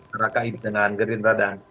merakai dengan gerin radang